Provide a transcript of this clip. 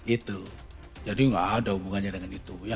itu jadi nggak ada hubungannya dengan itu